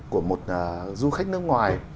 của một du khách nước ngoài